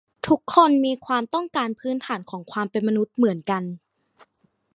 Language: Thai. ทุกคนมีความต้องการพื้นฐานของความเป็นมนุษย์เหมือนกัน